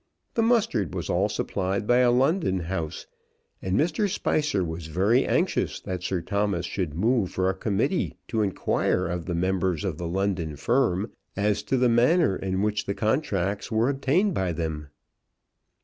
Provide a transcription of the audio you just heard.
The mustard was all supplied by a London house, and Mr. Spicer was very anxious that Sir Thomas should move for a committee to inquire of the members of that London firm as to the manner in which the contracts were obtained by them.